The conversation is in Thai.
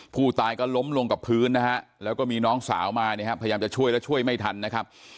ผู้ตายก็ล้มลงกับพื้นนะฮะแล้วก็มีน้องสาวมานะครับพยายามจะช่วยแล้วช่วยไม่ทันนะครับ